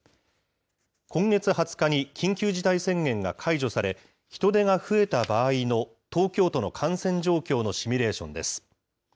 今月２０日に緊急事態宣言が解除され、人出が増えた場合の東京都の感染状況のシミュレーションです。